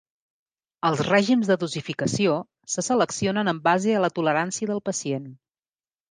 Els règims de dosificació se seleccionen en base a la tolerància del pacient.